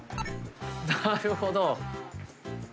なるほど。